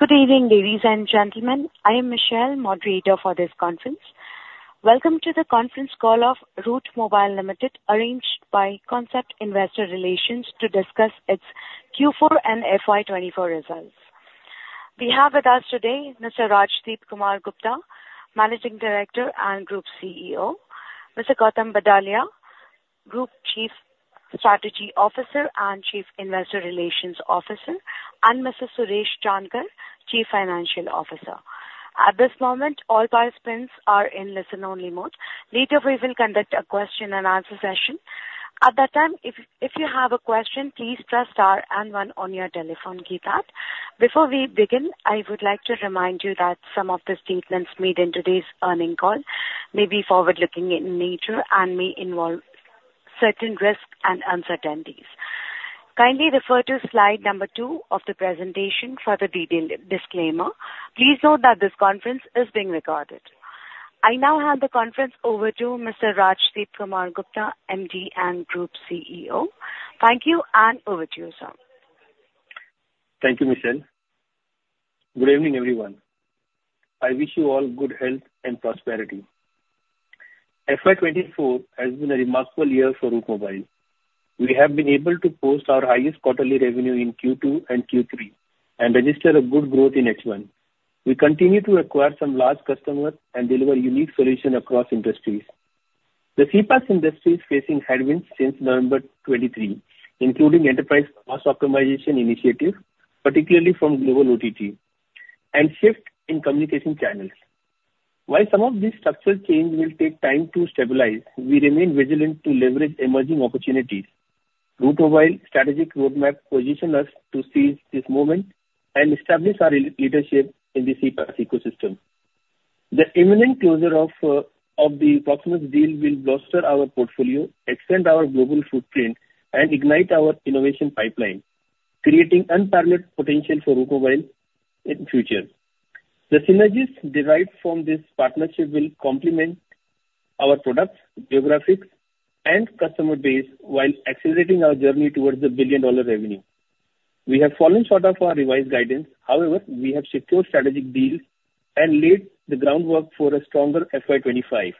Good evening, ladies and gentlemen. I am Michelle, moderator for this conference. Welcome to the conference call of Route Mobile Limited, arranged by Concept Investor Relations to discuss its Q4 and FY 2024 results. We have with us today Mr. Rajdipkumar Gupta, Managing Director and Group CEO, Mr. Gautam Badalia, Group Chief Strategy Officer and Chief Investor Relations Officer, and Mr. Suresh Jankar, Chief Financial Officer. At this moment, all participants are in listen-only mode. Later, we will conduct a question-and-answer session. At that time, if you have a question, please press star and one on your telephone keypad. Before we begin, I would like to remind you that some of the statements made in today's earnings call may be forward-looking in nature and may involve certain risks and uncertainties. Kindly refer to slide number two of the presentation for the detailed disclaimer. Please note that this conference is being recorded. I now hand the conference over to Mr. Rajdipkumar Gupta, MD and Group CEO. Thank you, and over to you, sir. Thank you, Michelle. Good evening, everyone. I wish you all good health and prosperity. FY 2024 has been a remarkable year for Route Mobile. We have been able to post our highest quarterly revenue in Q2 and Q3 and register a good growth in H1. We continue to acquire some large customers and deliver unique solutions across industries. The CPaaS industry is facing headwinds since November 2023, including enterprise cost optimization initiatives, particularly from global OTT, and shift in communication channels. While some of these structural changes will take time to stabilize, we remain vigilant to leverage emerging opportunities. Route Mobile strategic roadmap position us to seize this moment and establish our leadership in the CPaaS ecosystem. The imminent closure of the Proximus deal will bolster our portfolio, extend our global footprint, and ignite our innovation pipeline, creating unparalleled potential for Route Mobile in future. The synergies derived from this partnership will complement our products, geographic, and customer base while accelerating our journey towards a billion-dollar revenue. We have fallen short of our revised guidance. However, we have secured strategic deals and laid the groundwork for a stronger FY 2025,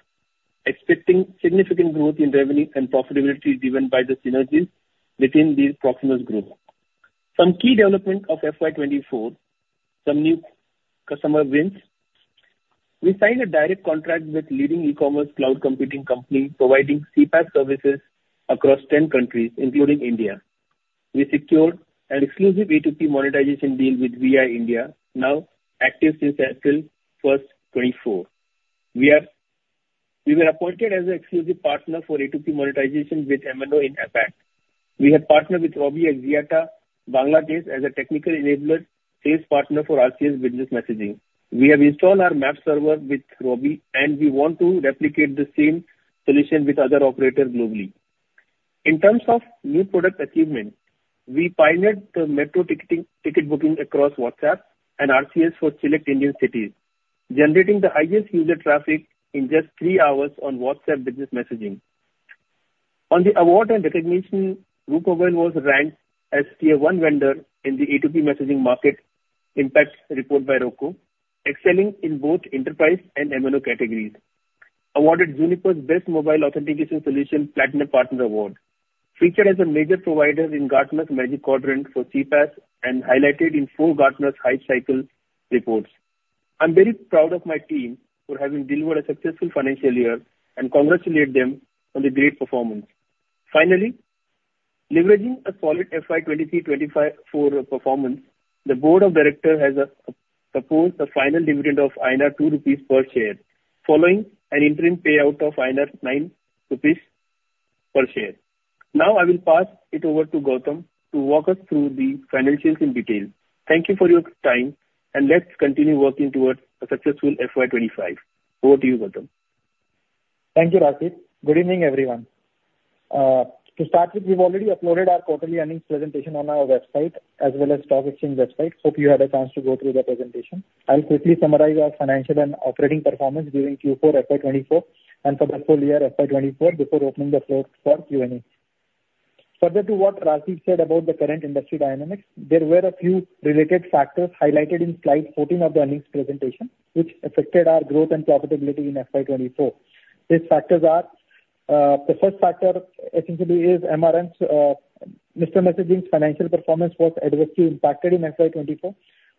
expecting significant growth in revenue and profitability driven by the synergies within the Proximus Group. Some key development of FY 2024, some new customer wins. We signed a direct contract with leading e-commerce cloud computing company, providing CPaaS services across 10 countries, including India. We secured an exclusive A2P monetization deal with Vi India, now active since 1 April, 2024. We were appointed as an exclusive partner for A2P monetization with MNO in APAC. We have partnered with Robi Axiata, Bangladesh, as a technical enabler, sales partner for RCS Business Messaging. We have installed our MAP server with Robi, and we want to replicate the same solution with other operators globally. In terms of new product achievement, we piloted the metro ticketing, ticket booking across WhatsApp and RCS for select Indian cities, generating the highest user traffic in just three hours on WhatsApp business messaging. On the award and recognition, Route Mobile was ranked as tier one vendor in the A2P messaging market impact report by ROCCO, excelling in both enterprise and MNO categories. Awarded Juniper's Best Mobile Authentication Solution Platinum Partner Award, featured as a major provider in Gartner's Magic Quadrant for CPaaS, and highlighted in four Gartner's Hype Cycle reports. I'm very proud of my team for having delivered a successful financial year, and congratulate them on the great performance. Finally, leveraging a solid FY 2023-2024 performance, the board of directors has proposed a final dividend of 2 rupees per share, following an interim payout of 9 rupees per share. Now I will pass it over to Gautam to walk us through the financials in detail. Thank you for your time, and let's continue working towards a successful FY 2025. Over to you, Gautam. Thank you, Rajdip. Good evening, everyone. To start with, we've already uploaded our quarterly earnings presentation on our website, as well as stock exchange website. Hope you had a chance to go through the presentation. I'll quickly summarize our financial and operating performance during Q4 FY 2024, and for the full year, FY 2024, before opening the floor for Q&A. Further to what Rajdip said about the current industry dynamics, there were a few related factors highlighted in slide 14 of the earnings presentation, which affected our growth and profitability in FY 2024. These factors are... The first factor essentially is MRM's, M.R. Messaging's financial performance was adversely impacted in FY 2024,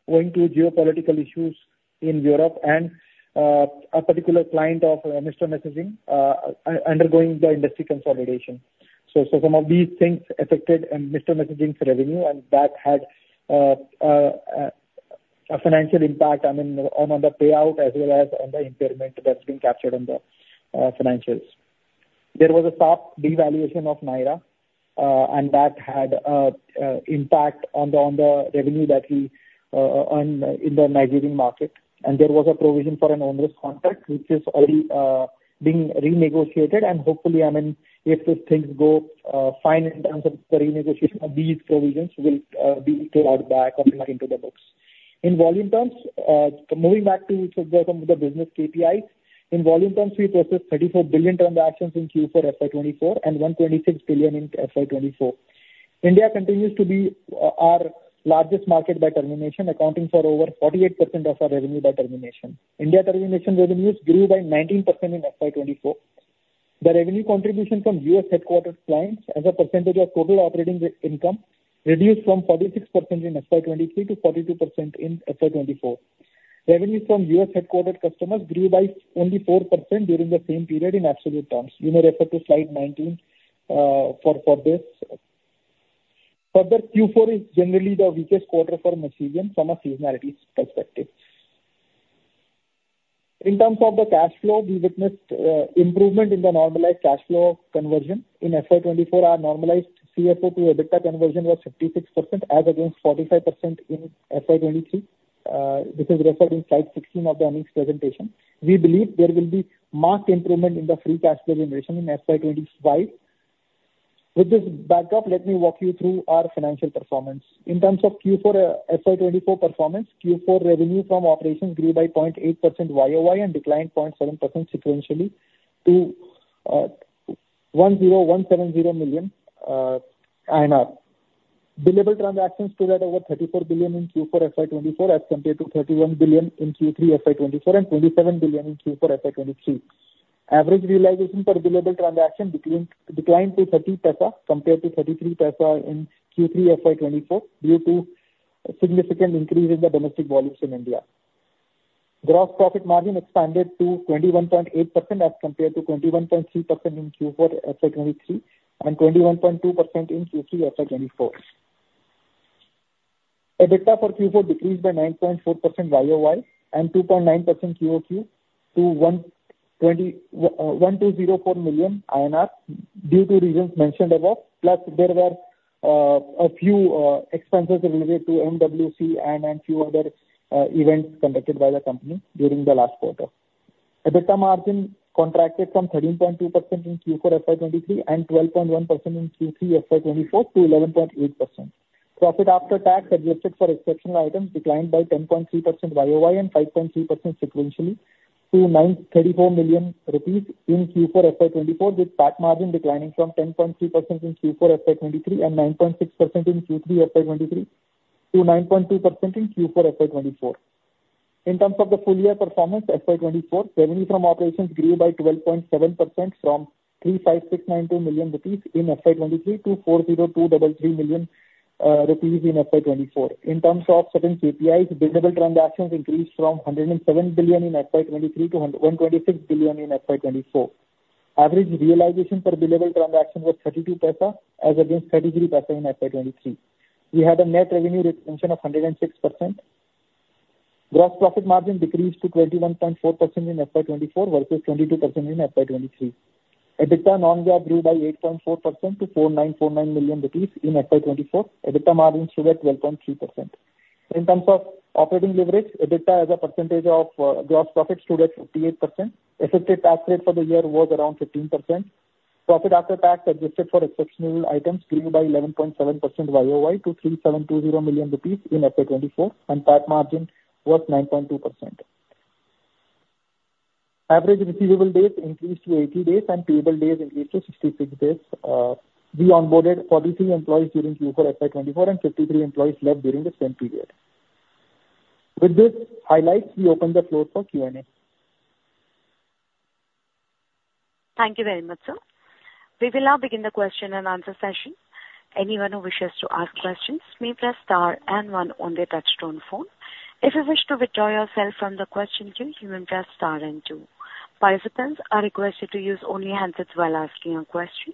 owing to geopolitical issues in Europe and, a particular client of, M.R. Messaging, undergoing the industry consolidation. So some of these things affected M.R. Messaging's revenue, and that had a financial impact, I mean, on the payout as well as on the impairment that's been captured on the financials. There was a sharp devaluation of naira, and that had an impact on the revenue that we earn in the Nigerian market. There was a provision for an onerous contract, which is already being renegotiated. Hopefully, I mean, if the things go fine in terms of the renegotiation, these provisions will be brought back into the books. In volume terms, moving back to some of the business KPIs. In volume terms, we processed 34 billion transactions in Q4 FY 2024 and 126 billion in FY 2024.... India continues to be, our largest market by termination, accounting for over 48% of our revenue by termination. India termination revenues grew by 19% in FY 2024. The revenue contribution from U.S.-headquartered clients as a percentage of total operating revenue reduced from 46% in FY 2023-42% in FY 2024. Revenue from U.S.-headquartered customers grew by only 4% during the same period in absolute terms. You may refer to slide 19, for this. Further, Q4 is generally the weakest quarter for Masivian from a seasonality perspective. In terms of the cash flow, we witnessed, improvement in the normalized cash flow conversion. In FY 2024, our normalized CFO to EBITDA conversion was 56%, as against 45% in FY 2023, this is referred in slide 16 of the analyst's presentation. We believe there will be marked improvement in the free cash flow generation in FY 2025. With this backup, let me walk you through our financial performance. In terms of Q4, FY 2024 performance, Q4 revenue from operations grew by 0.8% YoY and declined 0.7% sequentially to INR 10,170 million. Billable transactions stood at over 34 billion in Q4 FY 2024, as compared to 31 billion in Q3 FY 2024 and 27 billion in Q4 FY 2023. Average realization per billable transaction declined to 0.30, compared to 0.33 in Q3 FY 2024, due to a significant increase in the domestic volumes in India. Gross profit margin expanded to 21.8% as compared to 21.3% in Q4 FY 2023, and 21.2% in Q3 FY 2024. EBITDA for Q4 decreased by 9.4% YOY and 2.9% QOQ to 120.4 million INR, due to reasons mentioned above, plus there were a few expenses related to MWC and a few other events conducted by the company during the last quarter. EBITDA margin contracted from 13.2% in Q4 FY 2023, and 12.1% in Q3 FY 2024 to 11.8%. Profit after tax adjusted for exceptional items declined by 10.3% YOY and 5.3% sequentially to 934 million rupees in Q4 FY 2024, with PAT margin declining from 10.3% in Q4 FY 2023 and 9.6% in Q3 FY 2023 to 9.2% in Q4 FY 2024. In terms of the full year performance, FY 2024, revenue from operations grew by 12.7% from INR 356.92 million in FY 2023 to 402.23 million rupees in FY 2024. In terms of certain KPIs, billable transactions increased from 107 billion in FY 2023 to 126 billion in FY 2024. Average realization per billable transaction was INR 0.32, as against INR 0.33 in FY 2023. We had a net revenue retention of 106%. Gross profit margin decreased to 21.4% in FY 2024 versus 22% in FY 2023. EBITDA non-GAAP grew by 8.4% to 49.49 million rupees in FY 2024. EBITDA margin stood at 12.3%. In terms of operating leverage, EBITDA as a percentage of gross profit stood at 58%. Effective tax rate for the year was around 15%. Profit after tax adjusted for exceptional items grew by 11.7% YoY to 3,720 million rupees in FY 2024, and PAT margin was 9.2%. Average receivable days increased to 80 days, and payable days increased to 66 days. We onboarded 43 employees during Q4 FY 2024, and 53 employees left during the same period. With this, I'd like to open the floor for Q&A. Thank you very much, sir. We will now begin the question and answer session. Anyone who wishes to ask questions may press star and one on their touchtone phone. If you wish to withdraw yourself from the question queue, you may press star and two. Participants are requested to use only the handset while asking a question.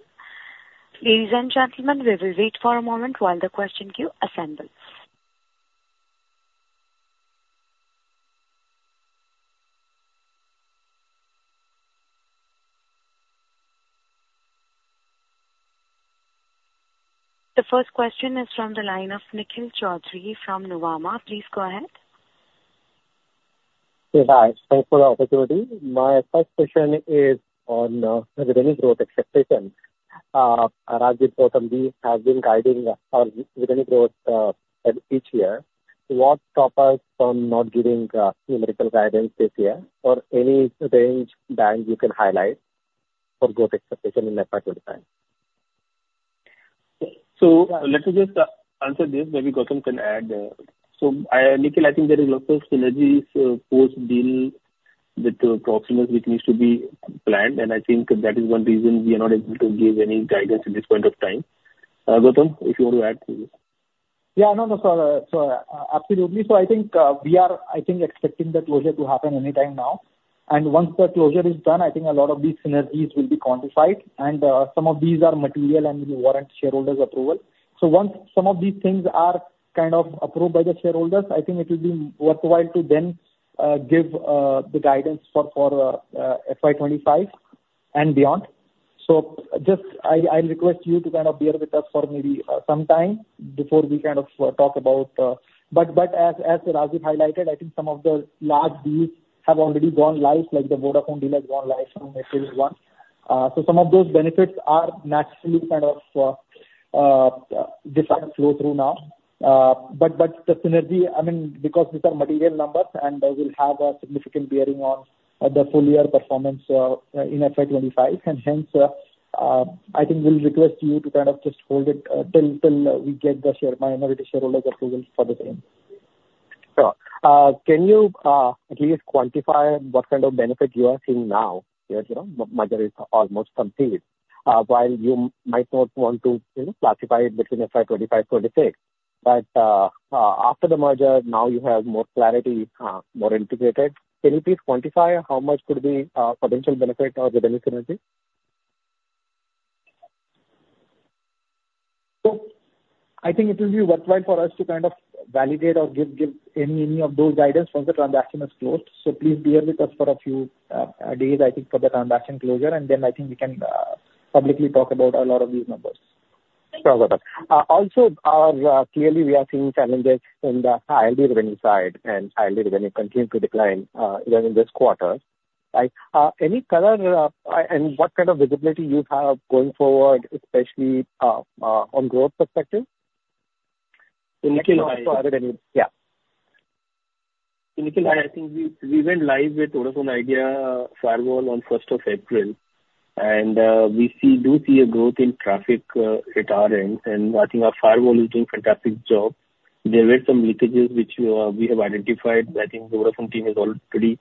Ladies and gentlemen, we will wait for a moment while the question queue assembles. The first question is from the line of Nikhil Chaudhary from Nuvama. Please go ahead. Yeah, hi. Thanks for the opportunity. My first question is on revenue growth expectation. Rajdip Gupta, we have been guiding our revenue growth each year. What stop us from not giving numerical guidance this year, or any range band you can highlight for growth expectation in FY 2025? So let me just answer this, maybe Gautam can add. So I, Nikhil, I think there is lots of synergies, post-deal with Proximus, which needs to be planned, and I think that is one reason we are not able to give any guidance at this point of time. Gautam, if you want to add to this. Yeah, no, no, so, so, absolutely. So I think, we are, I think, expecting the closure to happen any time now, and once the closure is done, I think a lot of these synergies will be quantified, and, some of these are material and will warrant shareholders' approval. So once some of these things are kind of approved by the shareholders, I think it will be worthwhile to then, give, the guidance for, for, FY 2025 and beyond. So just I request you to kind of bear with us for maybe some time before we kind of talk about... But as Rajdip highlighted, I think some of the large deals have already gone live, like the Vodafone deal has gone live from 1 April. So some of those benefits are naturally kind of different flow through now... But the synergy, I mean, because these are material numbers, and they will have a significant bearing on the full year performance in FY 2025, and hence, I think we'll request you to kind of just hold it till we get the share, minority shareholder approval for the same. Sure. Can you at least quantify what kind of benefit you are seeing now that, you know, the merger is almost complete? While you might not want to, you know, classify it between FY 2025, 26, but after the merger, now you have more clarity, more integrated. Can you please quantify how much could be potential benefit of the synergy? So I think it will be worthwhile for us to kind of validate or give any of those guidance once the transaction is closed. So please bear with us for a few days, I think, for the transaction closure, and then I think we can publicly talk about a lot of these numbers. Sure. Also, clearly we are seeing challenges in the ILD revenue side, and ILD revenue continues to decline, even in this quarter, right? Any color, and what kind of visibility you have going forward, especially, on growth perspective? Yeah. Initially, I think we went live with Vodafone Idea Firewall on first of April, and we do see a growth in traffic at our end, and I think our Firewall is doing fantastic job. There were some leakages which we have identified. I think the Vodafone team is already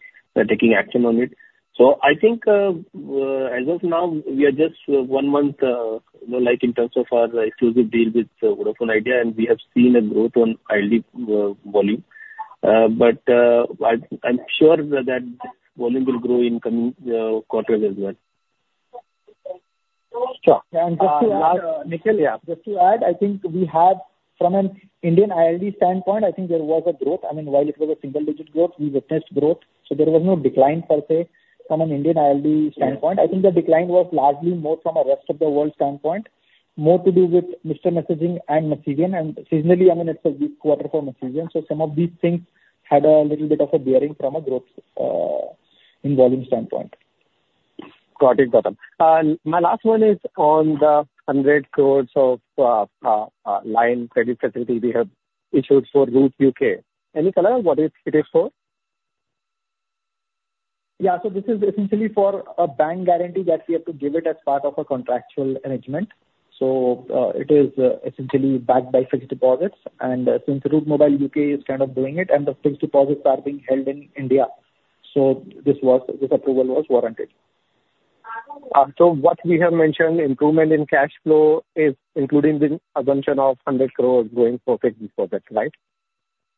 taking action on it. So I think, as of now, we are just one month, you know, like in terms of our exclusive deal with Vodafone Idea, and we have seen a growth on ILD volume. But I'm sure that volume will grow in coming quarters as well. Sure. And, Nikhil- Yeah. Just to add, I think we have from an Indian ILD standpoint, I think there was a growth. I mean, while it was a single-digit growth, we witnessed growth, so there was no decline per se, from an Indian ILD standpoint. Yeah. I think the decline was largely more from a rest of the world standpoint, more to do with M.R. Messaging and material, and seasonally, I mean, it's a weak quarter for material. So some of these things had a little bit of a bearing from a growth, involving standpoint. Got it, Gautam. My last one is on the 100 crore line credit facility we have issued for Route UK. Any color what it is for? Yeah, so this is essentially for a bank guarantee that we have to give it as part of a contractual arrangement. So, it is essentially backed by fixed deposits, and since Route Mobile UK is kind of doing it, and the fixed deposits are being held in India, so this was, this approval was warranted. So what we have mentioned, improvement in cash flow is including the assumption of 100 crore going for fixed deposits, right?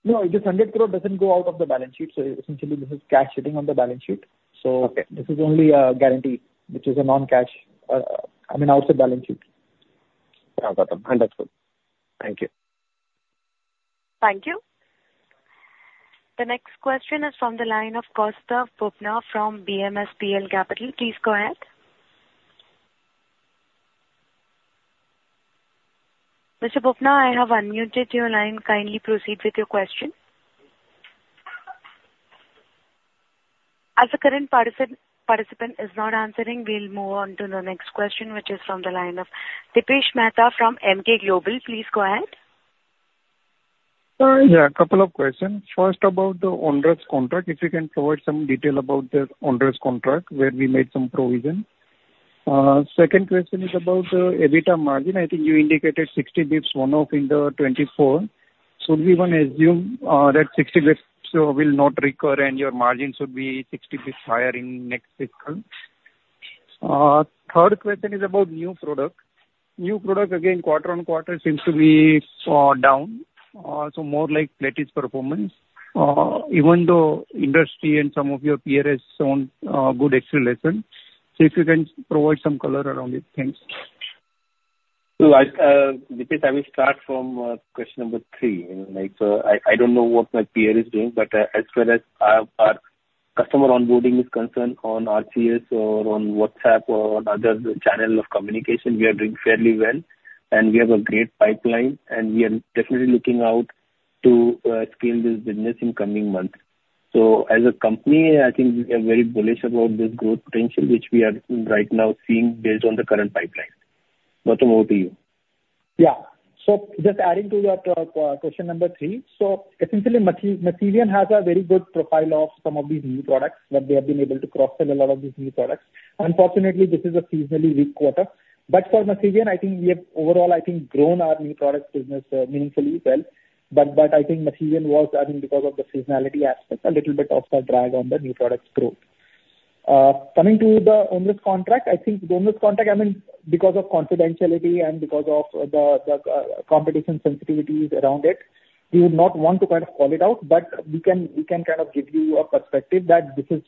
No, this 100 crore doesn't go out of the balance sheet, so essentially this is cash sitting on the balance sheet. Okay. This is only a guarantee, which is a non-cash, I mean, out of balance sheet. Yeah, Gautam, and that's it. Thank you. Thank you. The next question is from the line of Kaustav Bubna from BMSPL Capital. Please go ahead. Mr. Popna, I have unmuted your line. Kindly proceed with your question. As the current participant is not answering, we'll move on to the next question, which is from the line of Dipesh Mehta from Emkay Global. Please go ahead. Yeah, a couple of questions. First, about the onerous contract, if you can provide some detail about the onerous contract, where we made some provision. Second question is about EBITDA margin. I think you indicated 60 basis points one-off in the 2024. Should we even assume that 60 basis points will not recur and your margin should be 60 basis points higher in next fiscal? Third question is about new product. New product, again, quarter-on-quarter, seems to be down, so more like plateaued performance, even though industry and some of your peers shown good acceleration. So if you can provide some color around it. Thanks. So I, Dipesh, I will start from, question number three. I mean, like, I, I don't know what my peer is doing, but, as far as, our customer onboarding is concerned, on RCS or on WhatsApp or on other channel of communication, we are doing fairly well, and we have a great pipeline, and we are definitely looking out to, scale this business in coming months. So as a company, I think we are very bullish about this growth potential, which we are right now seeing based on the current pipeline. Gautam, over to you. Yeah. So just adding to your question number three: So essentially, Masivian has a very good profile of some of these new products that they have been able to cross-sell a lot of these new products. Unfortunately, this is a seasonally weak quarter, but for Masivian, I think we have overall, I think, grown our new products business meaningfully well. But, but I think Masivian was, I think, because of the seasonality aspect, a little bit of a drag on the new products growth. Coming to the onerous contract, I think the onerous contract, I mean, because of confidentiality and because of the competition sensitivities around it, we would not want to kind of call it out, but we can kind of give you a perspective that this is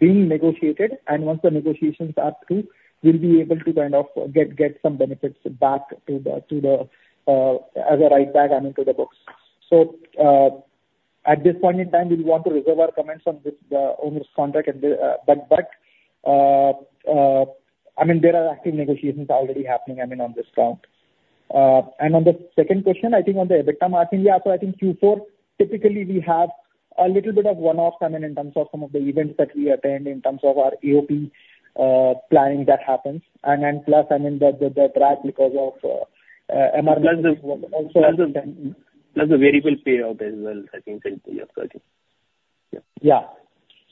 being negotiated, and once the negotiations are through, we'll be able to kind of get some benefits back to the books as a write back, I mean, to the books. So, at this point in time, we want to reserve our comments on this onerous contract and the... But, I mean, there are active negotiations already happening, I mean, on this front. And on the second question, I think on the EBITDA margin, yeah, so I think Q4, typically we have- ...A little bit of one-off, I mean, in terms of some of the events that we attend, in terms of our AOP, planning that happens, and, and plus, I mean, the track because of, MR- Plus the variable payout as well, I think in the year 13. Yep. Yeah.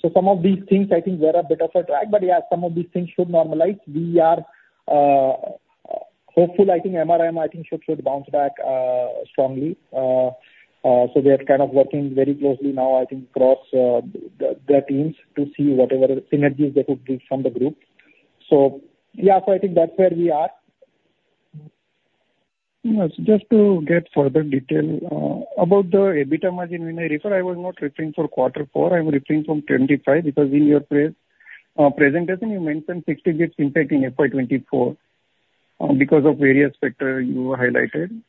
So some of these things I think were a bit of a drag, but yeah, some of these things should normalize. We are hopeful. I think MRM should bounce back strongly. So we are kind of working very closely now, I think, across the teams to see whatever synergies they could give from the group. So, yeah, so I think that's where we are. Yes, just to get further detail about the EBITDA margin. When I refer, I was not referring for quarter four, I was referring from 25, because in your presentation, you mentioned 50 basis points impact in FY 2024, because of various factors you highlighted.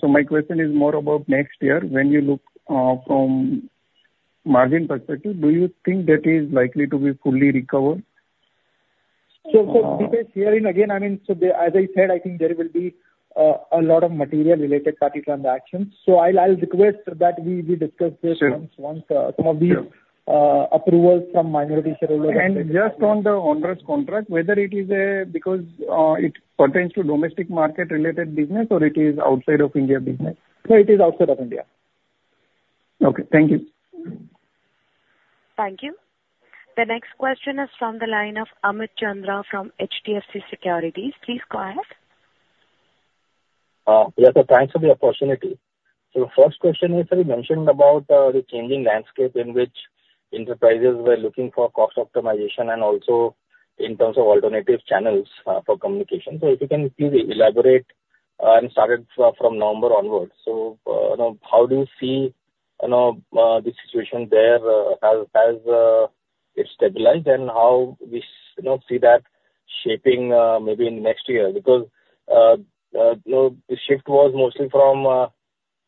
So my question is more about next year. When you look from margin perspective, do you think that is likely to be fully recovered? As I said, I think there will be a lot of material related party transactions. So I'll request that we discuss this- Sure. once some of these approvals from minority shareholders- Just on the onerous contract, whether it is a, because, it pertains to domestic market-related business or it is outside of India business? No, it is outside of India. Okay, thank you. Thank you. The next question is from the line of Amit Chandra from HDFC Securities. Please go ahead. Yes, so thanks for the opportunity. So the first question is, so you mentioned about the changing landscape in which enterprises were looking for cost optimization and also in terms of alternative channels for communication. So if you can please elaborate and started from November onwards. So, you know, how do you see, you know, the situation there as it stabilized and how we see that shaping maybe in next year? Because, you know, the shift was mostly from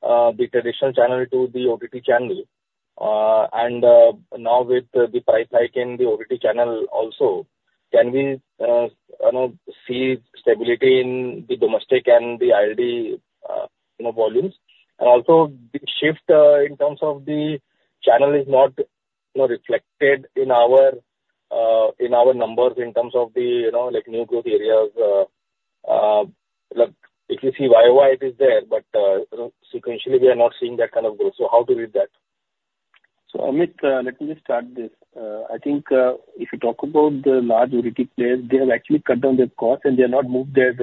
the traditional channel to the OTT channel. And, now with the price hike in the OTT channel also, can we, you know, see stability in the domestic and the ID, you know, volumes? And also the shift, in terms of the channel is not, you know, reflected in our, in our numbers in terms of the, you know, like, new growth areas. Like, if you see YoY it is there, but, you know, sequentially, we are not seeing that kind of growth. So how to read that? So, Amit, let me start this. I think, if you talk about the large OTT players, they have actually cut down their costs, and they have not moved their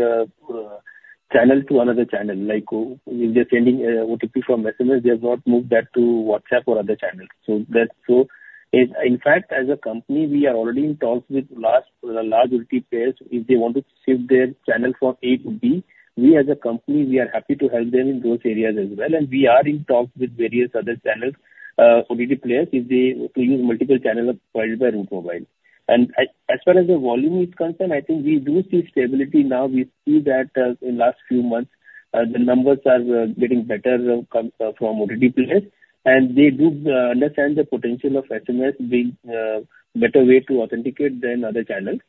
channel to another channel. Like, they're sending OTP from SMS, they have not moved that to WhatsApp or other channels. So that's. In fact, as a company, we are already in talks with large, large OTT players. If they want to shift their channel from A to B, we as a company, we are happy to help them in those areas as well, and we are in talks with various other channels, OTT players, if they use multiple channels powered by Route Mobile. And as far as the volume is concerned, I think we do see stability now. We see that in last few months the numbers are getting better, coming from OTT players, and they do understand the potential of SMS being a better way to authenticate than other channels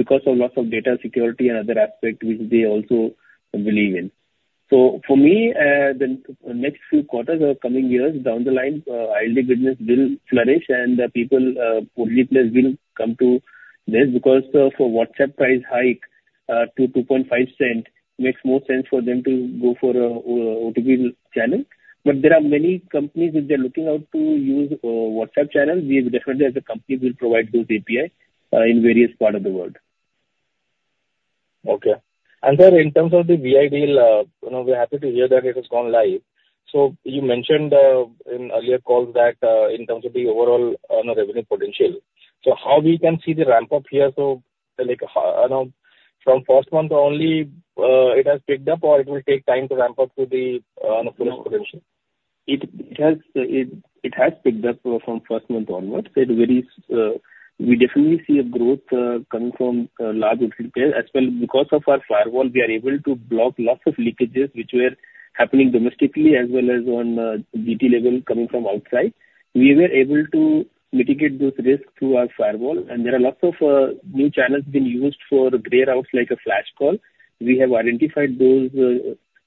because of lots of data security and other aspects which they also believe in. So for me, the next few quarters or coming years down the line, A2P business will flourish, and the OTT players will come to this, because for WhatsApp price hike to $0.025 makes more sense for them to go for OTP channel. But there are many companies which are looking out to use WhatsApp channels. We definitely as a company will provide those API in various part of the world. Okay. And then in terms of the Vi deal, you know, we're happy to hear that it has gone live. So you mentioned in earlier calls that in terms of the overall revenue potential. So how we can see the ramp-up here? So, like, from first month only, it has picked up, or it will take time to ramp up to the full potential? It has picked up from first month onwards. It varies. We definitely see a growth coming from large OTT players. As well, because of our Firewall, we are able to block lots of leakages, which were happening domestically as well as on DT level coming from outside. We were able to mitigate those risks through our Firewall, and there are lots of new channels being used for gray routes, like a flash call. We have identified those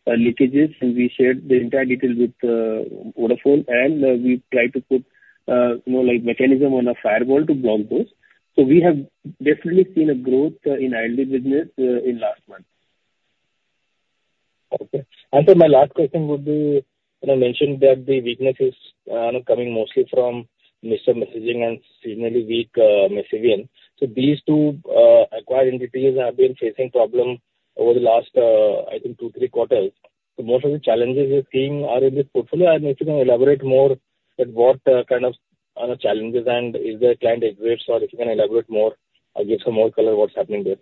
leakages, and we shared the entire detail with Vodafone, and we tried to put, you know, like, mechanism on a Firewall to block those. So we have definitely seen a growth in ILD business in last month. Okay. And so my last question would be, you know, mention that the weaknesses coming mostly from M.R. Messaging and seasonally weak Masivian. So these two acquired entities have been facing problems over the last, I think, two, three quarters. So most of the challenges we're seeing are in this portfolio. And if you can elaborate more on what kind of challenges and is there trend aggregates, or if you can elaborate more or give some more color, what's happening there?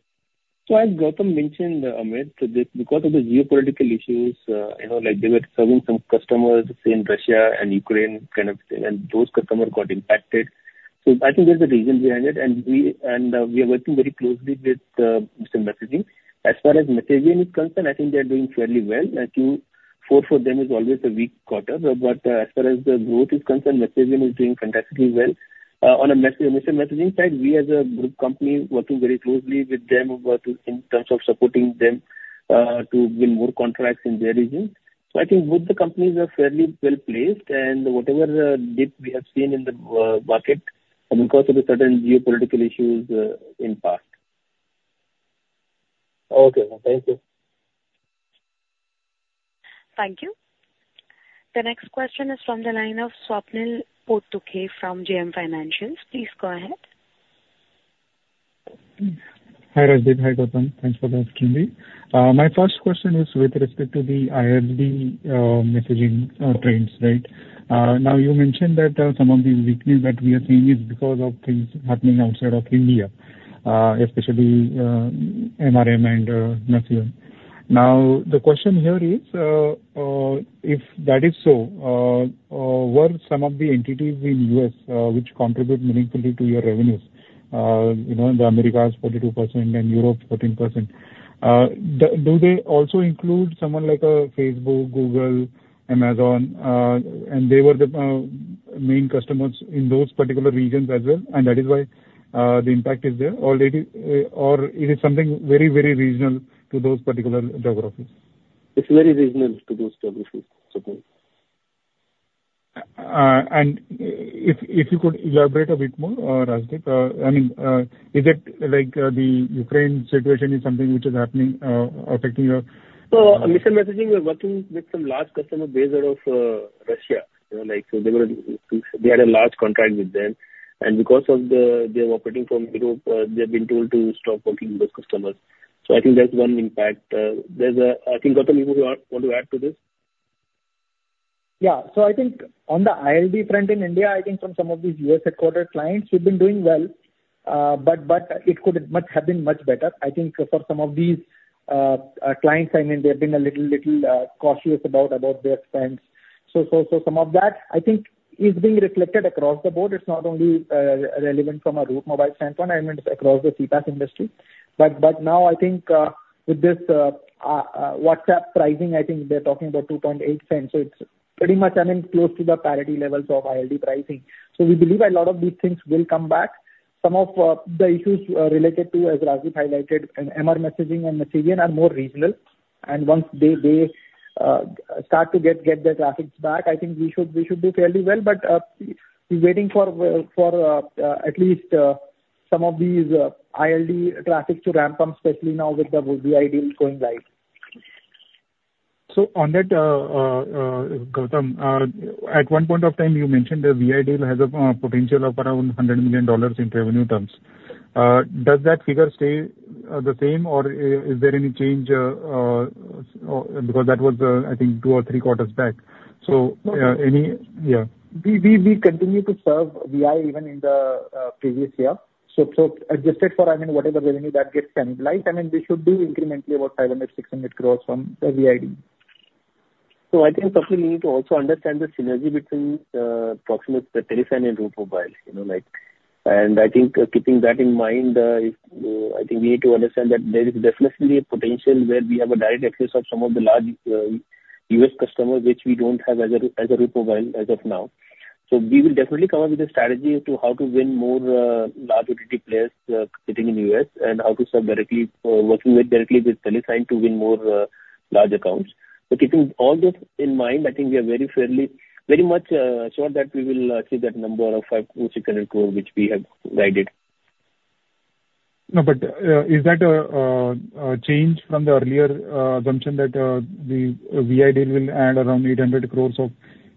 So as Gautam mentioned, Amit, so because of the geopolitical issues, you know, like, they were serving some customers in Russia and Ukraine kind of thing, and those customers got impacted. So I think there's a reason behind it, and we are working very closely with M.R. Messaging. As far as MessageEn is concerned, I think they are doing fairly well. I think Q4 for them is always a weak quarter, but, as far as the growth is concerned, MessageEn is doing fantastically well. On a M.R. Messaging side, we as a group company, working very closely with them about in terms of supporting them to win more contracts in their region. So I think both the companies are fairly well-placed, and whatever dip we have seen in the market and because of the certain geopolitical issues in past. Okay, thank you. Thank you. The next question is from the line of Swapnil Potdukhe from JM Financial. Please go ahead. Hi, Rajdip. Hi, Gautam. Thanks for asking me. My first question is with respect to the ILD messaging trends, right? Now, you mentioned that some of the weakness that we are seeing is because of things happening outside of India, especially MRM and Messian. Now, the question here is, if that is so, what are some of the entities in U.S. which contribute meaningfully to your revenues? You know, in the Americas, 42%, and Europe, 14%. Do they also include someone like Facebook, Google, Amazon, and they were the main customers in those particular regions as well, and that is why the impact is there, or it is something very, very regional to those particular geographies? It's very regional to those geographies, Swapnil. And if you could elaborate a bit more, Rajdip, I mean, is it like the Ukraine situation is something which is happening, affecting your- So in M.R. Messaging, we are working with some large customer based out of Russia. You know, like, so they were, we had a large contract with them, and because of the, they're operating from Europe, they've been told to stop working with those customers. So I think that's one impact. I think, Gautam, you want to add to this? Yeah. So I think on the ILD front in India, I think from some of these U.S.-headquartered clients, we've been doing well, but it could have been much better. I think for some of these clients, I mean, they've been a little cautious about their spends. So some of that, I think, is being reflected across the board. It's not only relevant from a Route Mobile standpoint, I mean, it's across the CPaaS industry. But now I think with this WhatsApp pricing, I think they're talking about $0.028, so it's pretty much, I mean, close to the parity levels of ILD pricing. So we believe a lot of these things will come back. Some of the issues related to, as Rajdip highlighted, in A2P messaging and messaging are more regional, and once they start to get the traffic back, I think we should do fairly well. But, we're waiting for at least some of these ILD traffic to ramp up, especially now with the Vi deals going live. So on that, Gautam, at one point of time, you mentioned the Vi deal has a potential of around $100 million in revenue terms. Does that figure stay the same, or is there any change because that was, I think two or three quarters back. So, any... Yeah. We continue to serve Vi even in the previous year. So adjusted for, I mean, whatever revenue that gets cannibalized, I mean, we should do incrementally about 500 crore-600 crore from the Vi deal. So I think, Swapnil, you need to also understand the synergy between, Proximus, TeleSign, and Route Mobile, you know, like. And I think keeping that in mind, I think we need to understand that there is definitely a potential where we have a direct access of some of the large, U.S. customers, which we don't have as a, as a Route Mobile as of now. So we will definitely come up with a strategy as to how to win more, large OTT players, sitting in U.S., and how to start directly, working with directly with TeleSign to win more, large accounts. But keeping all this in mind, I think we are very fairly, very much, sure that we will, see that number of 500 crore-600 crore which we have guided. No, but, is that a change from the earlier assumption that the Vi deal will add around 800 crore of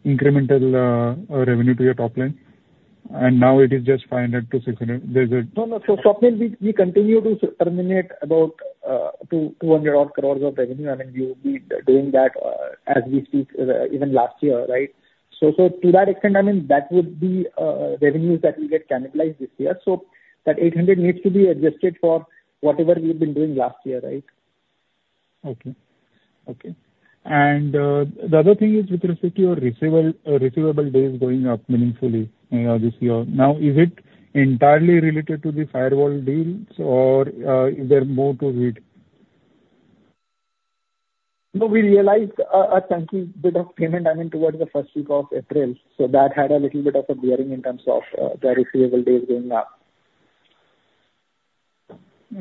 incremental revenue to your top line, and now it is just 500 crore-600 crore? There's a- No, no. So Swapnil, we, we continue to terminate about 200 crore of revenue. I mean, we, we're doing that as we speak, even last year, right? So, so to that extent, I mean, that would be revenues that will get cannibalized this year. So that 800 needs to be adjusted for whatever we've been doing last year, right? Okay. Okay. And, the other thing is with respect to your receivable, receivable days going up meaningfully, this year. Now, is it entirely related to the Firewall deals or is there more to it? No, we realized a chunky bit of payment, I mean, towards the first week of April, so that had a little bit of a bearing in terms of the receivable days going up.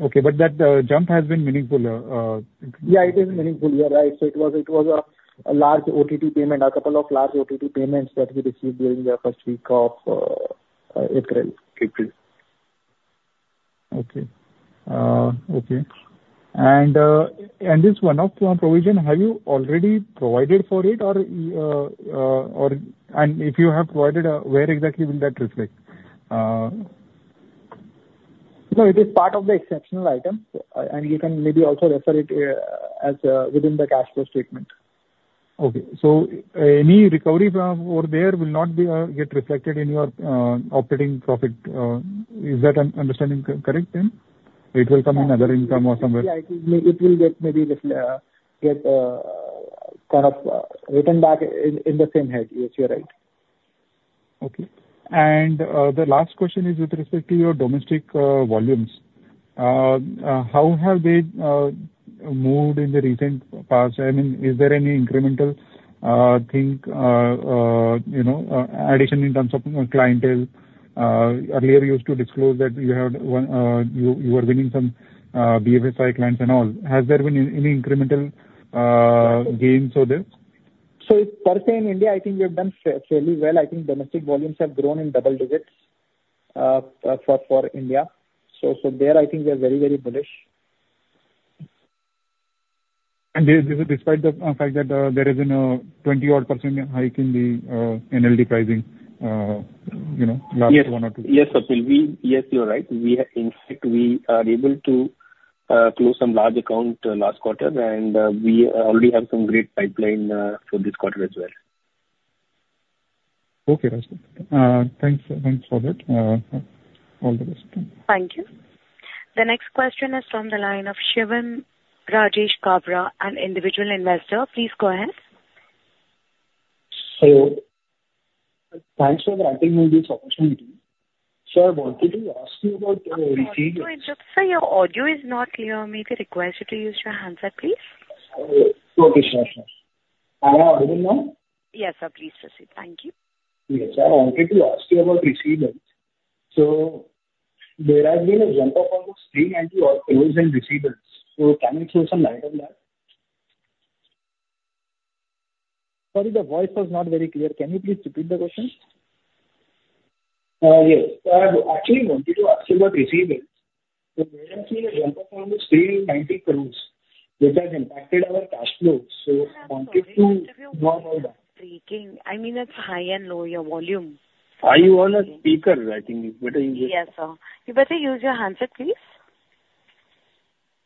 Okay, but that jump has been meaningful. Yeah, it is meaningful. You are right. So it was a large OTT payment, a couple of large OTT payments that we received during the first week of April. April. Okay, okay. And this one-off provision, have you already provided for it or, or... And if you have provided, where exactly will that reflect? No, it is part of the exceptional item, and you can maybe also refer it as within the cash flow statement. Okay. So any recovery from over there will not be, get reflected in your, operating profit. Is that I'm understanding correct then? It will come in other income or somewhere. Yeah, it will get maybe kind of written back in the same head. Yes, you're right. Okay. And, the last question is with respect to your domestic volumes. How have they moved in the recent past? I mean, is there any incremental-I think, you know, addition in terms of, you know, clientele, earlier you used to disclose that you have, you, you were winning some BFSI clients and all. Has there been any, any incremental gains for this? So per se, in India, I think we have done fairly well. I think domestic volumes have grown in double digits for India. So there, I think we are very, very bullish. This, this is despite the fact that there has been a 20%-odd hike in the NLD pricing, you know, last one or two- Yes, yes, Swapnil. We... Yes, you're right. We have, in fact, we are able to close some large account last quarter, and we already have some great pipeline for this quarter as well. Okay, Rajasthan. Thanks, thanks for that. All the best. Thank you. The next question is from the line of Shivan Rajesh Kabra, an individual investor. Please go ahead. Hello. Thanks for granting me this opportunity. Sir, I wanted to ask you about, receivables- Sir, your audio is not clear. May we request you to use your handset, please? Okay, sure, sure. Am I audible now? Yes, sir. Please proceed. Thank you. Yes. I wanted to ask you about receivables. So there has been a jump of almost 300 crore in receivables. Can you throw some light on that? Sorry, the voice was not very clear. Can you please repeat the question? Yes. I actually wanted to ask you about receivables. There has been a jump of almost 390 crore, which has impacted our cash flows. I wanted to know about that. Breaking. I mean, it's high and low, your volume. Are you on a speaker? I think you better use- Yes, sir. You better use your handset, please.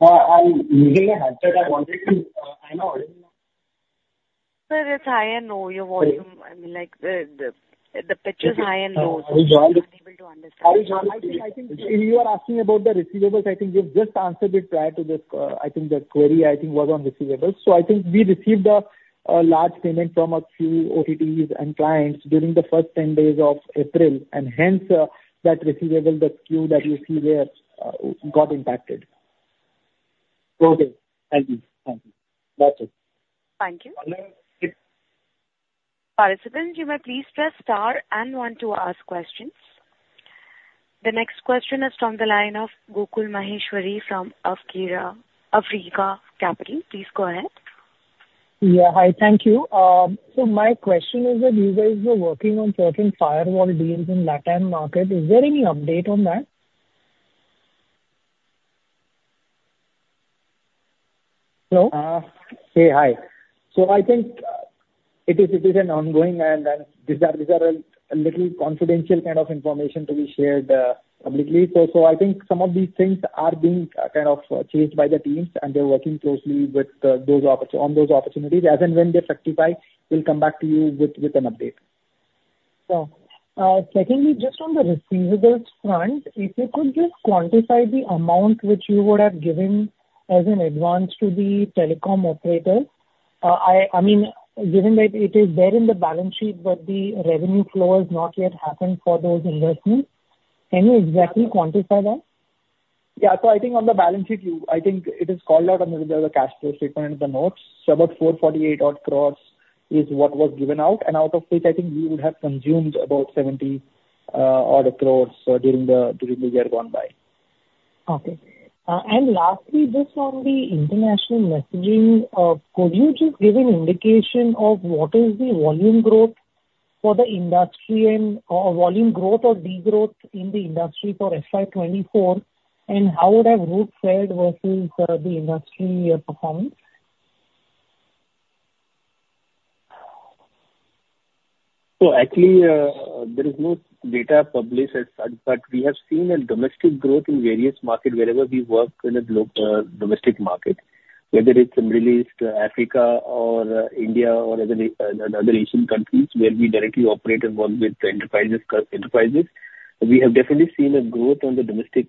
I'm using a handset. I wanted to... Am I audible now? Sir, it's high and low, your volume. I mean, like, the pitch is high and low. Are you able to- I'm unable to understand. I think, I think you are asking about the receivables. I think we've just answered it prior to this. I think the query, I think, was on receivables. So I think we received a, a large payment from a few OTTs and clients during the first 10 days of April, and hence, that receivable, the queue that you see there, got impacted. Okay. Thank you. Thank you. That's it. Thank you. Uh, it- Participant, you may please press star and one to ask questions. The next question is from the line of Gokul Maheshwari from Awriga Capital. Please go ahead. Yeah. Hi, thank you. So my question is that you guys were working on certain Firewall deals in LATAM market. Is there any update on that? Hello? Hey. Hi. So I think it is an ongoing, and these are a little confidential kind of information to be shared publicly. So I think some of these things are being kind of changed by the teams, and they're working closely with those on those opportunities. As and when they fructify, we'll come back to you with an update. Sure. Secondly, just on the receivables front, if you could just quantify the amount which you would have given as an advance to the telecom operator? I mean, given that it is there in the balance sheet, but the revenue flow has not yet happened for those investments, can you exactly quantify that? Yeah. So I think on the balance sheet, I think it is called out on the cash flow statement in the notes. So about 448 crore is what was given out, and out of which I think we would have consumed about 70 crore during the year gone by. Okay. And lastly, just on the international messaging, could you just give an indication of what is the volume growth for the industry and, or volume growth or degrowth in the industry for FY 2024, and how would have Route said versus, the industry, performance? So actually, there is no data published as such, but we have seen a domestic growth in various market wherever we work in a domestic market. Whether it's in Middle East, Africa or, India or other, other Asian countries where we directly operate and work with the enterprises, enterprises. We have definitely seen a growth on the domestic,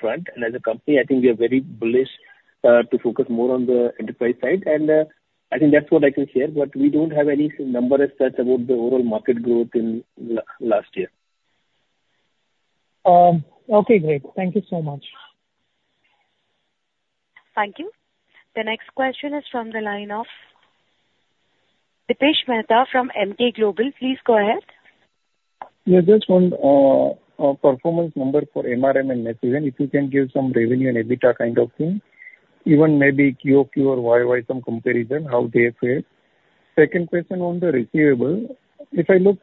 front, and as a company, I think we are very bullish, to focus more on the enterprise side, and, I think that's what I can share. But we don't have any number as such about the overall market growth in last year. Okay, great. Thank you so much. Thank you. The next question is from the line of Dipesh Mehta from Emkay Global. Please go ahead. Yeah, just want a performance number for MRM and MessageEd. If you can give some revenue and EBITDA kind of thing, even maybe QoQ or YoY, some comparison, how they fit. Second question on the receivable. If I look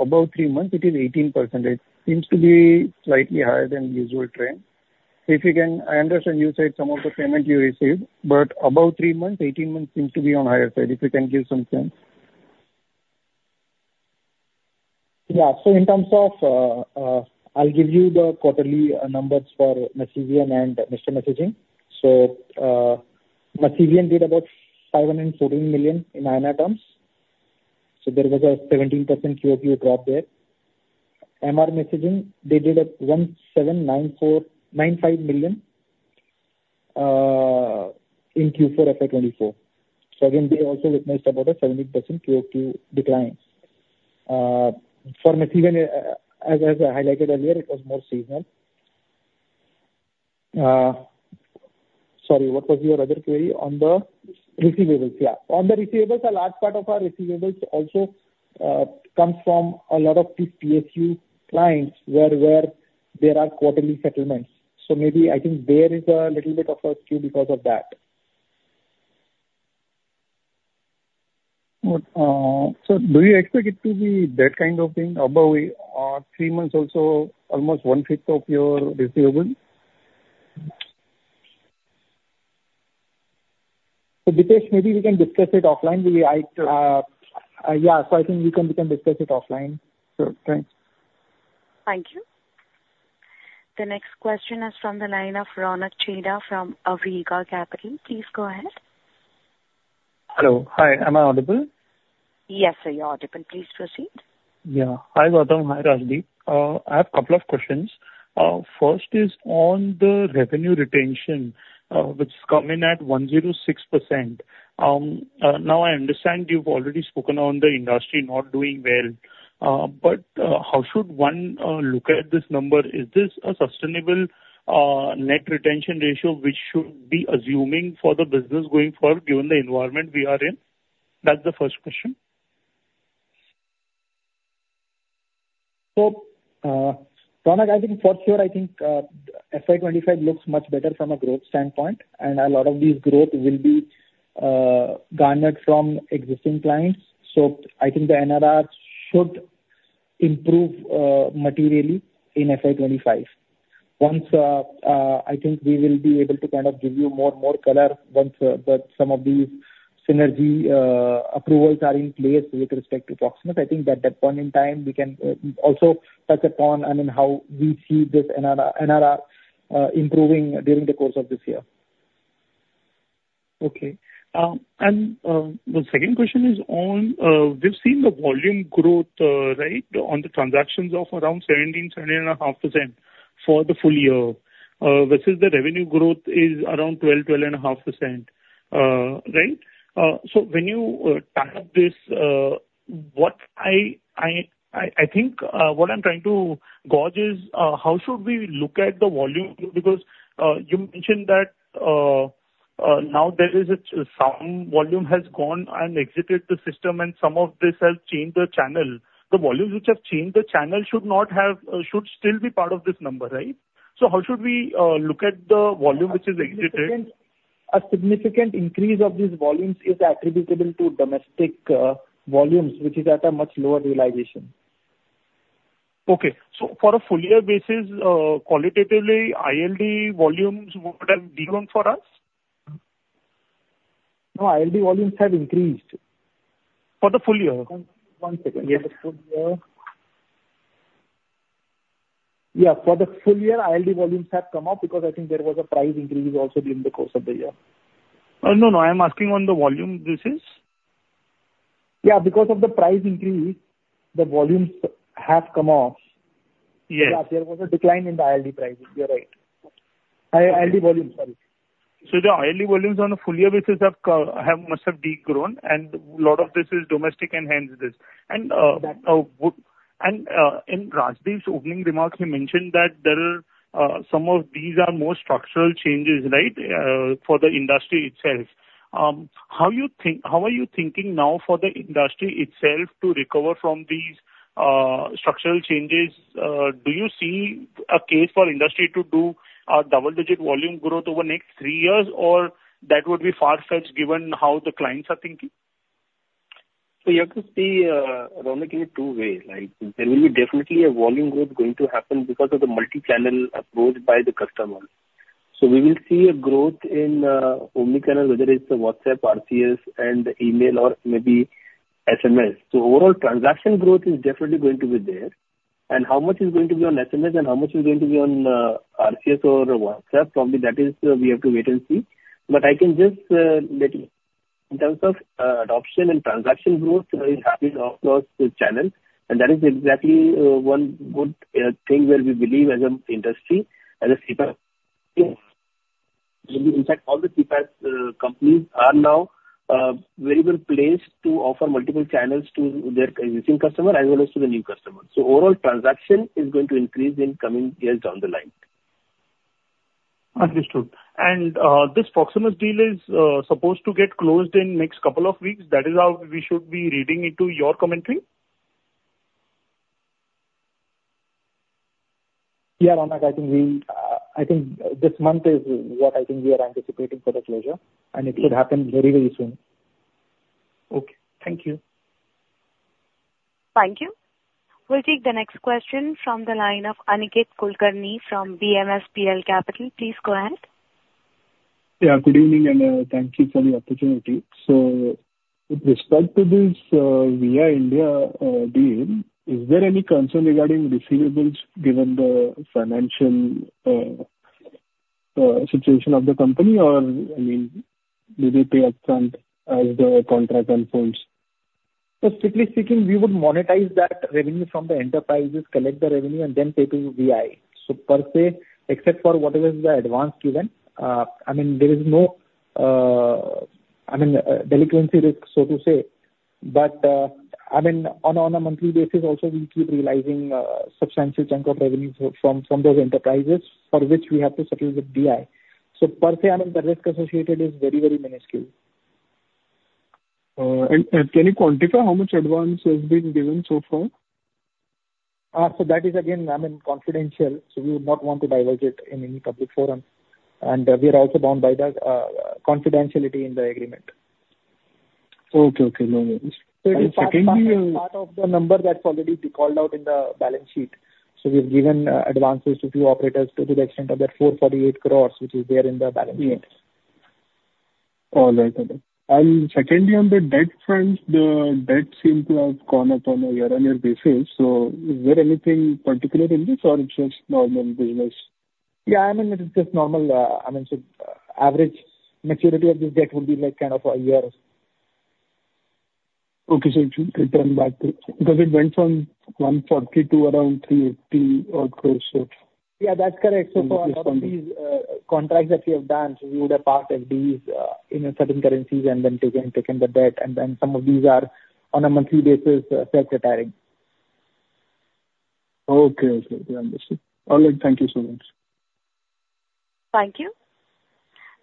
above three months, it is 18%. Seems to be slightly higher than usual trend. If you can, I understand you said some of the payment you received, but above three months, 18% seems to be on higher side, if you can give some sense. Yeah. So in terms of, I'll give you the quarterly numbers for MessageEd and M.R. Messaging. So, MessageEd did about 514 million INR, so there was a 17% QOQ drop there. MR Messaging, they did 1,794.95 million in Q4 FY 2024. So again, they also witnessed about a 17% QOQ decline. For MessageEd, as I highlighted earlier, it was more seasonal.... Sorry, what was your other query? On the receivables. Yeah. On the receivables, a large part of our receivables also comes from a lot of these PSU clients, where there are quarterly settlements. So maybe I think there is a little bit of a skew because of that. But, so do you expect it to be that kind of thing, about three months, also almost one-fifth of your receivables? Dipesh, maybe we can discuss it offline. I, yeah, so I think we can, we can discuss it offline. Thanks. Thank you. The next question is from the line of Ronak Chheda from Awriga Capital. Please go ahead. Hello. Hi, am I audible? Yes, sir, you're audible. Please proceed. Yeah. Hi, Gautam. Hi, Rajeev. I have a couple of questions. First is on the revenue retention, which has come in at 106%. Now, I understand you've already spoken on the industry not doing well, but, how should one look at this number? Is this a sustainable net retention ratio which should be assuming for the business going forward, given the environment we are in? That's the first question. So, Ronak, I think for sure, I think, FY 2025 looks much better from a growth standpoint, and a lot of this growth will be garnered from existing clients. So I think the NRR should improve materially in FY 2025. Once, I think we will be able to kind of give you more color once the some of these synergy approvals are in place with respect to Proximus. I think at that point in time, we can also touch upon, I mean, how we see this NRR improving during the course of this year. Okay. And the second question is on, we've seen the volume growth, right, on the transactions of around 17%-10.5% for the full year, versus the revenue growth is around 12%-12.5%. Right? So when you stack up this, what I think, what I'm trying to gauge is, how should we look at the volume? Because you mentioned that now there is some volume has gone and exited the system, and some of this has changed the channel. The volumes which have changed the channel should still be part of this number, right? So how should we look at the volume which is exited? A significant increase of these volumes is attributable to domestic volumes, which is at a much lower realization. Okay, so for a full year basis, qualitatively, ILD volumes would have de-grown for us? No, ILD volumes have increased. For the full year? One second. Yes. For the full year... Yeah, for the full year, ILD volumes have come up because I think there was a price increase also during the course of the year. No, no, I am asking on the volume basis. Yeah, because of the price increase, the volumes have come off. Yes. There was a decline in the ILD prices. You're right. ILD volume, sorry. So the ILD volumes on a full year basis have must have de-grown, and a lot of this is domestic and hence this. And in Rajeev's opening remarks, he mentioned that there are some of these are more structural changes, right, for the industry itself. How are you thinking now for the industry itself to recover from these structural changes? Do you see a case for industry to do a double-digit volume growth over the next three years, or that would be far-fetched, given how the clients are thinking? So you have to see, Ronak, in two ways, like, there will be definitely a volume growth going to happen because of the multi-channel approach by the customer. So we will see a growth in, omni-channel, whether it's the WhatsApp, RCS and email or maybe SMS. So overall, transaction growth is definitely going to be there. And how much is going to be on SMS and how much is going to be on, RCS or WhatsApp? Probably that is, we have to wait and see. But I can just, let you know, in terms of, adoption and transaction growth, it happens across the channel, and that is exactly, one good, thing where we believe as an industry, as a CPaaS. In fact, all the CPaaS companies are now very well placed to offer multiple channels to their existing customer as well as to the new customer. So overall transaction is going to increase in coming years down the line. Understood. This Proximus deal is supposed to get closed in next couple of weeks? That is how we should be reading into your commentary? Yeah, Ronak, I think we, I think this month is what I think we are anticipating for the closure, and it should happen very, very soon. Okay. Thank you. Thank you. We'll take the next question from the line of Aniket Kulkarni from BMSPL Capital. Please go ahead. Yeah, good evening, and thank you for the opportunity. So with respect to this, Vi India deal, is there any concern regarding receivables, given the financial situation of the company? Or, I mean, do they pay upfront as the contract unfolds? So strictly speaking, we would monetize that revenue from the enterprises, collect the revenue and then pay to Vi. So per se, except for whatever is the advance given, I mean, there is no, I mean, delinquency risk, so to say. But, I mean, on a monthly basis also, we keep realizing, substantial chunk of revenue from those enterprises for which we have to settle with Vi. So per se, I mean, the risk associated is very, very minuscule. Can you quantify how much advance has been given so far? So that is again, I mean, confidential, so we would not want to divulge it in any public forum, and we are also bound by the confidentiality in the agreement. Okay. Okay. No worries. And secondly- Part of the number that's already been called out in the balance sheet. So we've given, advances to the operators to the extent of that 448 crore, which is there in the balance sheet. Yes. All right. Okay. And secondly, on the debt front, the debt seemed to have gone up on a year-over-year basis, so is there anything particular in this or it's just normal business? Yeah, I mean, it is just normal. I mean, so average maturity of this debt will be, like, kind of a year. Okay, so it should return back to... Because it went from 140 crores to around 380 odd crores. So- Yeah, that's correct. Yes. For these contracts that we have done, we would have passed these in certain currencies and then taken the debt, and then some of these are on a monthly basis, self-retiring. Okay. Okay. We understand. All right, thank you so much. Thank you.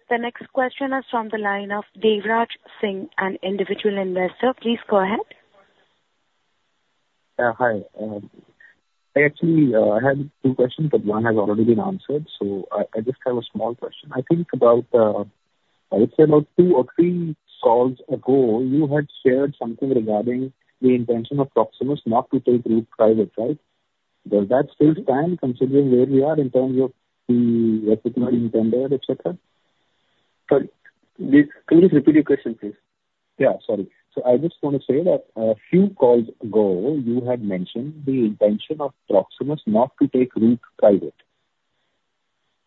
The next question is from the line of Devraj Singh, an individual investor. Please go ahead. Hi. I actually had two questions, but one has already been answered, so I just have a small question. I think about, I would say about two or three calls ago, you had shared something regarding the intention of Proximus not to take Route private, right? Does that still stand, considering where we are in terms of the equity tender, et cetera? Sorry, please repeat your question, please. Yeah, sorry. So I just want to say that a few calls ago, you had mentioned the intention of Proximus not to take Route private.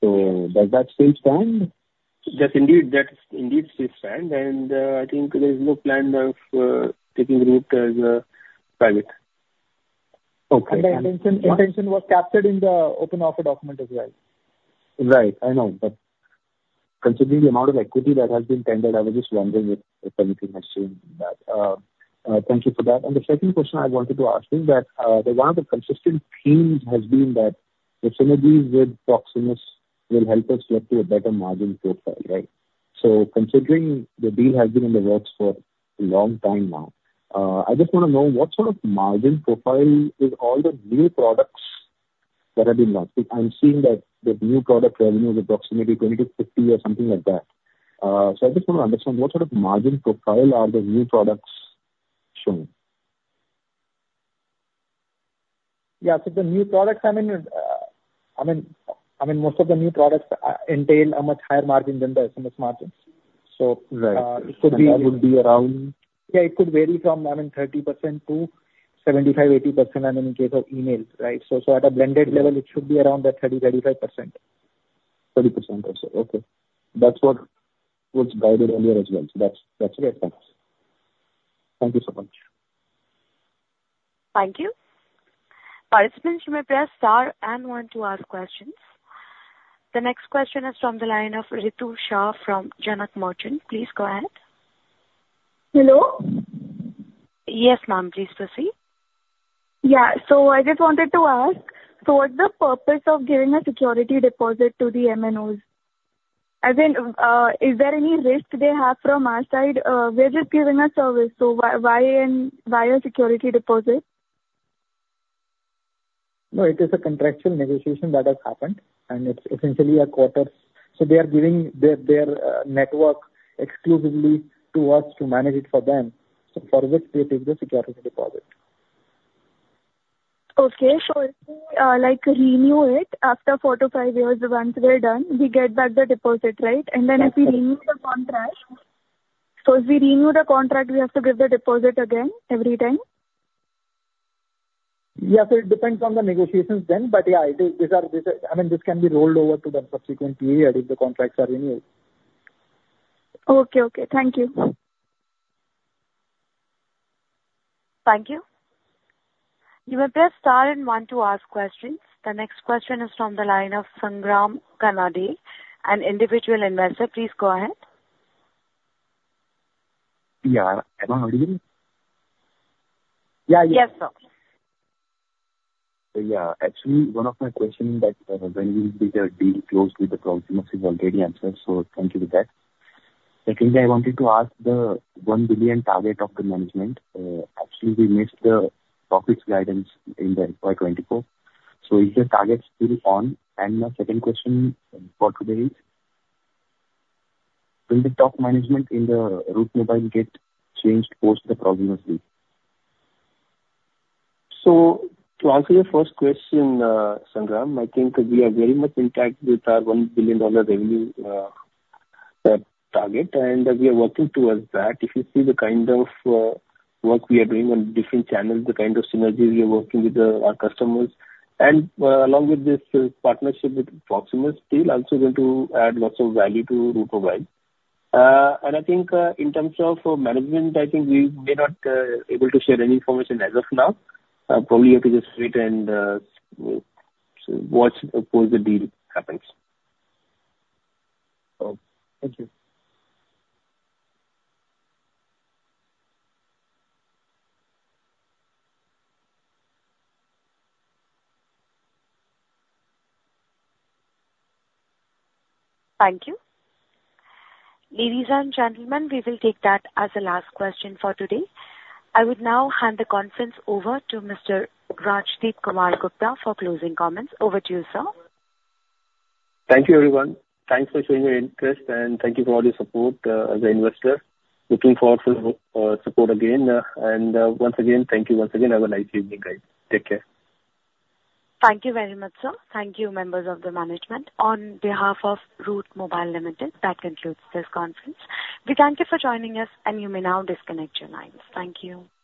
Does that still stand? That indeed, that indeed still stand, and, I think there is no plan of taking Route as private. Okay. The intention was captured in the open offer document as well. Right, I know. But considering the amount of equity that has been tendered, I was just wondering if anything has changed in that. Thank you for that. The second question I wanted to ask is that, one of the consistent themes has been that the synergies with Proximus will help us get to a better margin profile, right? Considering the deal has been in the works for a long time now, I just want to know what sort of margin profile with all the new products that have been launched. I'm seeing that the new product revenue is approximately 20-50 or something like that. I just want to understand, what sort of margin profile are the new products showing? Yeah, so the new products, I mean, most of the new products entail a much higher margin than the SMS margins, so- Right. It could be- That would be around? Yeah, it could vary from, I mean, 30%-75%-80%, I mean, in case of email, right? So, so at a blended level, it should be around that 30%-35%. 30% or so. Okay. That's what was guided earlier as well. So that's, that's great. Thanks. Thank you so much. Thank you. Participants, you may press star and one to ask questions. The next question is from the line of Ritu Shah from Janak Merchant. Please go ahead. Hello? Yes, ma'am. Please proceed. Yeah. So I just wanted to ask, so what's the purpose of giving a security deposit to the MNOs? I think, is there any risk they have from our side? We're just giving a service, so why, why, and why a security deposit? No, it is a contractual negotiation that has happened, and it's essentially a quarter. So they are giving their network exclusively to us to manage it for them, so for which we take the security deposit. Okay. So, like, renew it after four to five years, once we're done, we get back the deposit, right? Yes. If we renew the contract, so if we renew the contract, we have to give the deposit again every time? Yeah. It depends on the negotiations then. Yeah, these are... I mean, this can be rolled over to the subsequently if the contracts are renewed. Okay. Okay. Thank you. Thank you. You may press star and one to ask questions. The next question is from the line of Sangram Kanade, an individual investor. Please go ahead. Yeah. Am I audible? Yeah, yeah. Yes, sir. Yeah. Actually, one of my question that, when you did a deal with Proximus is already answered, so thank you for that. Secondly, I wanted to ask the $1 billion target of the management. Actually, we missed the profits guidance in the FY 2024. So is the target still on? And my second question for today is, will the top management in the Route Mobile get changed post the Proximus deal? So to answer your first question, Sangram, I think we are very much intact with our $1 billion revenue target, and we are working towards that. If you see the kind of work we are doing on different channels, the kind of synergies we are working with our customers, and along with this partnership with Proximus, still also going to add lots of value to Route Mobile. And I think in terms of management, I think we may not able to share any information as of now. Probably you have to just wait and watch once the deal happens. Oh, thank you. Thank you. Ladies and gentlemen, we will take that as the last question for today. I would now hand the conference over to Mr. Rajdip Kumar Gupta for closing comments. Over to you, sir. Thank you, everyone. Thanks for showing your interest, and thank you for all your support, as an investor. Looking forward for support again, and once again, thank you once again. Have a nice evening, guys. Take care. Thank you very much, sir. Thank you, members of the management. On behalf of Route Mobile Limited, that concludes this conference. We thank you for joining us, and you may now disconnect your lines. Thank you.